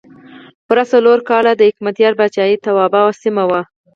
پوره څلور کاله د حکمتیار پاچاهۍ توابع سیمه وه.